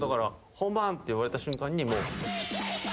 「本番」って言われた瞬間にもう。